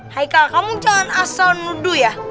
hai kal kamu jangan asal nuduh ya